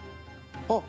あっ！